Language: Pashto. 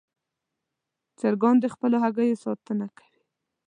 چرګان د خپلو هګیو ساتنه کوي.